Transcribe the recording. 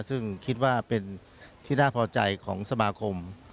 ซึ่งคิดว่าเป็นที่น่าพอใจของสมาคม